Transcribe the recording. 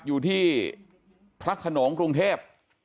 อยู่ที่พระขนงกรุงเทพ